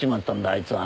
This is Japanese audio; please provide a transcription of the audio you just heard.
あいつは。